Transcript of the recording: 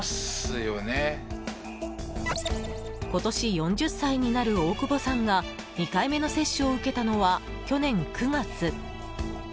今年４０歳になる大窪さんが２回目の接種を受けたのは去年９月。